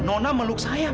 nona meluk saya pak